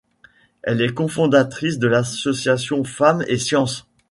Elle est cofondatrice de l'Association Femmes & Sciences.